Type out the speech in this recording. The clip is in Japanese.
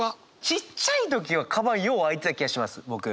ちっちゃい時はかばんよう開いてた気がします僕。